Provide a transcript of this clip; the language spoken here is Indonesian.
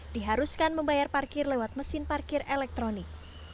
diharuskan membayar parkir lewat mesin parkir elektronik